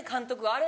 「あれ？